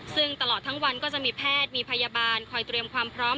ซึ่งตลอดทั้งวันก็จะมีแพทย์มีพยาบาลคอยเตรียมความพร้อม